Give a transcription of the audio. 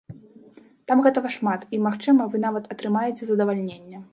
Там гэтага шмат і, магчыма, вы нават атрымаеце задавальненне.